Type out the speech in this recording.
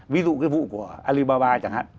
ví dụ cái vụ của alibaba chẳng hạn